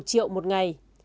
trên một triệu một ngày